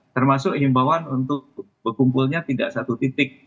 termasuk imbauan untuk berkumpulnya tidak satu titik